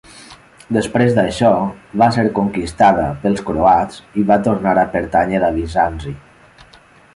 Després d'això va ser conquistada pels croats i va tornar a pertànyer a Bizanci.